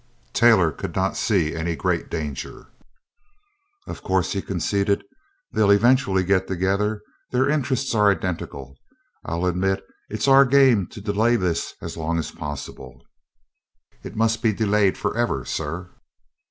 Taylor could not see any great danger. "Of course," he conceded, "they'll eventually get together; their interests are identical. I'll admit it's our game to delay this as long possible." "It must be delayed forever, sir."